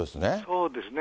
そうですね。